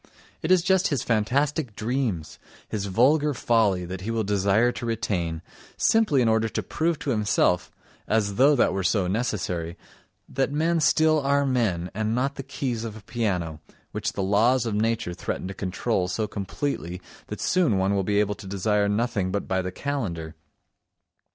It is just his fantastic dreams, his vulgar folly that he will desire to retain, simply in order to prove to himself—as though that were so necessary—that men still are men and not the keys of a piano, which the laws of nature threaten to control so completely that soon one will be able to desire nothing but by the calendar.